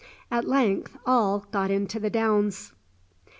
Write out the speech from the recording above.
At length all got into the Downs.